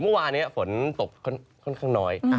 เมื่อวานนี้ฝนตกค่อนข้างน้อย